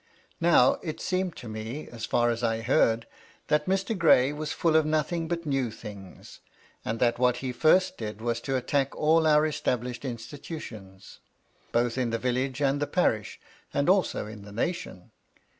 Now, it seemed to me, as far as I heard, that Mr. Gray was full of nothing but new things, and that what he first did was to attack all our established institutions, both in the village and the parish, and also in the nation.